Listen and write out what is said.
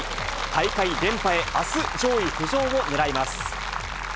大会連覇へあす、上位浮上を狙います。